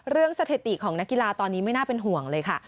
สถิติของนักกีฬาตอนนี้ไม่น่าเป็นห่วงเลยค่ะ